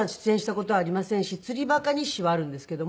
『釣りバカ日誌』はあるんですけども。